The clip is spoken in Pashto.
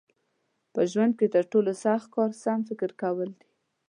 په ژوند کې تر ټولو سخت کار سم فکر کول دي.